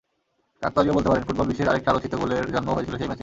কাকতালীয় বলতে পারেন, ফুটবল বিশ্বের আরেকটি আলোচিত গোলের জন্মও হয়েছিল সেই ম্যাচেই।